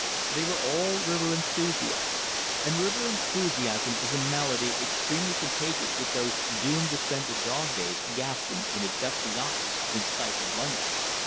They were all river enthusiasts, and river enthusiasm is a malady extremely contagious with those doomed to spend the dog days gasping in a dusty office in stifled London.